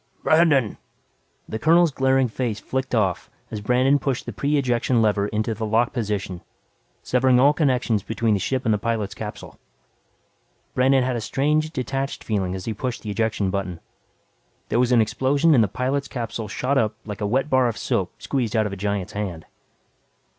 "Brandon !" The colonel's glaring face flicked off as Brandon pushed the pre ejection lever into the lock position severing all connections between the ship and the pilot's capsule. Brandon had a strange, detached feeling as he pushed the ejection button. There was an explosion and the pilot's capsule shot up like a wet bar of soap squeezed out of a giant's hand.